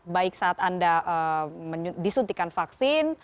baik saat anda disuntikan vaksin